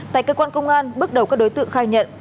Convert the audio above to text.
tại cơ quan công an bước đầu các đối tượng khai nhận